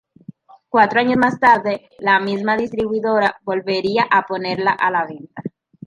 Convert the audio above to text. Cuatro años más tarde la misma distribuidora volvería a ponerla a la venta.